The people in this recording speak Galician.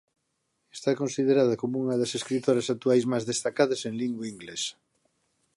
Está considerada como unha das escritoras actuais máis destacadas en lingua inglesa.